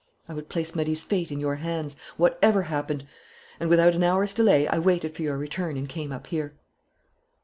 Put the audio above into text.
I would place Marie's fate in your hands whatever happened and without an hour's delay, I waited for your return and came up here."